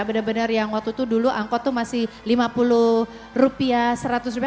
benar benar yang waktu itu angkot itu masih lima puluh rupiah seratus rupiah